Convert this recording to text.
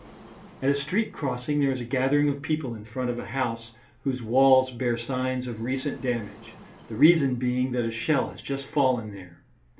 At a street crossing there is a gathering of people in front of a house whose walls bear signs of recent damage, the reason being that a shell has just fallen there.